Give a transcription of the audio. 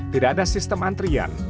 tidak ada sistem antrian